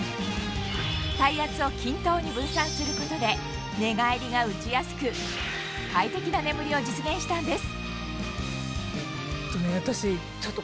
体圧を均等に分散することで寝返りが打ちやすく快適な眠りを実現したんです